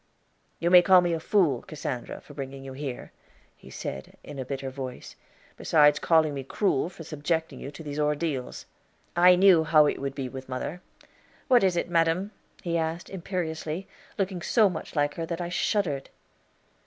"You may call me a fool, Cassandra, for bringing you here," he said in a bitter voice, "besides calling me cruel for subjecting you to these ordeals. I knew how it would be with mother. What is it, madam?" he asked imperiously, looking so much like her that I shuddered.